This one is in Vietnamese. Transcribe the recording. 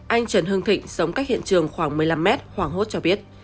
anh trần hưng thịnh sống cách hiện trường khoảng một mươi năm m hoàng hốt cho biết